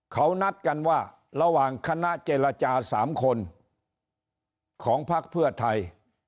เขานัดกันว่าระหว่างคณะเจรจา๓คนของพักเพื่อไทย